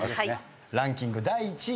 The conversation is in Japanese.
ランキング第１位。